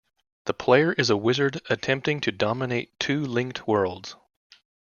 The player is a wizard attempting to dominate two linked worlds.